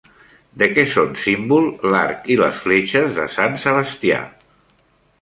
De què són símbol l'arc i les fletxes de sant Sebastià?